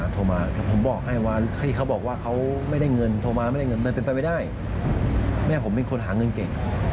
อยากวิจัยก็ใช้การเลือกความหมายเอง